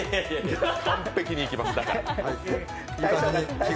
完璧にいけます、だから。